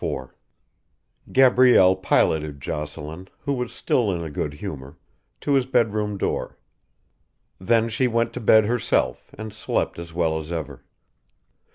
IV Gabrielle piloted Jocelyn, who was still in a good humour, to his bedroom door. Then she went to bed herself and slept as well as ever.